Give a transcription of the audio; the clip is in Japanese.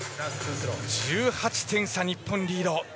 １８点差、日本リード。